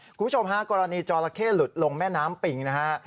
คุณผู้ชมฮะกรณีจอละเข้หลุดลงแม่น้ำปิ่งนะฮะ